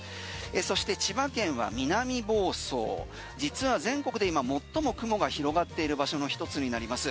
そして千葉県は南房総実は全国で今最も雲が広がっている場所の一つになります。